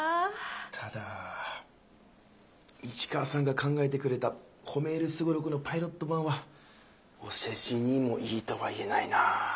ただ市川さんが考えてくれたほめーるすごろくのパイロット版はお世辞にもいいとは言えないな。